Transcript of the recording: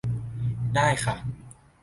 ได้ค่ะ